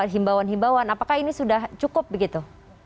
himbawan himbawan apakah ini sudah cukup begitu